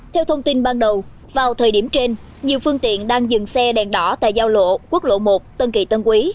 theo thông tin ban đầu vào thời điểm trên nhiều phương tiện đang dừng xe đèn đỏ tại giao lộ quốc lộ một tân kỳ tân quý